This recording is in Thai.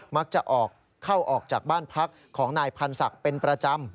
มักจะออกเข้าออกจากบ้านพักของนายพันธศักดิ์เป็นประจำ